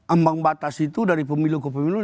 ambang batas itu dari pemilu ke pemilu